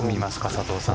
佐藤さん。